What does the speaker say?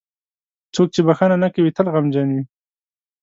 • څوک چې بښنه نه کوي، تل غمجن وي.